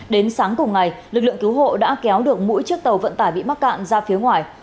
đến sáng cùng ngày lực lượng cứu hộ đã kéo được mỗi chiếc tàu vận tải bị mắc cạn ra phía ngoài